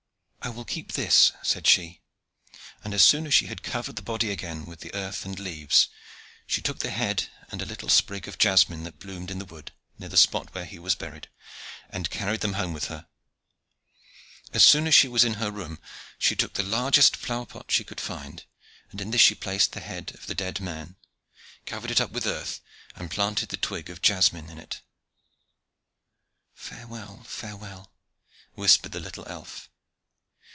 "I will keep this," said she; and as soon as she had covered the body again with the earth and leaves, she took the head and a little sprig of jasmine that bloomed in the wood, near the spot where he was buried, and carried them home with her. As soon as she was in her room, she took the largest flower pot she could find, and in this she placed the head of the dead man, covered it up with earth, and planted the twig of jasmine in it. "Farewell, farewell," whispered the little elf.